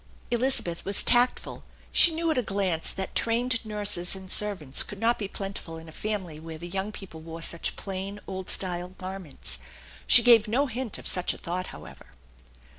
Elizabeth was tactful. She knew at a glance that trained nurses and servants could not be plentiful in a family where the young people wore such plain, old style garments. She gave no hint of such a thought, however.